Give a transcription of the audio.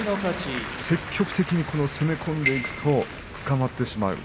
積極的に攻め込んでいくとつかまってしまう。